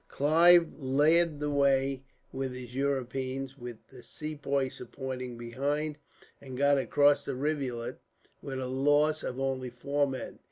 Clive led the way with his Europeans, with the Sepoys supporting behind, and got across the rivulet with a loss of only four men.